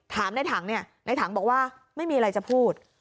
ในถังเนี่ยในถังบอกว่าไม่มีอะไรจะพูด